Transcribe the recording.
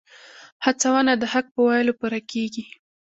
هڅونه د حق په ورکولو پوره کېږي.